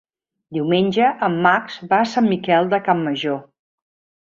Diumenge en Max va a Sant Miquel de Campmajor.